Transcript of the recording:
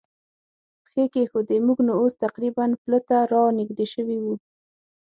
پښې کېښوودې، موږ نو اوس تقریباً پله ته را نږدې شوي و.